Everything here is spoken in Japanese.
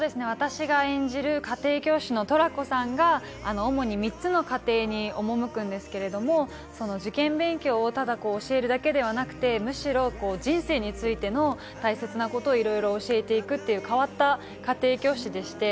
私が演じる、家庭教師のトラコさんが主に３つの家庭に赴くんですけれども、その受験勉強をただ教えるだけではなくて、むしろ人生についての大切なことをいろいろ教えていくという変わった家庭教師です。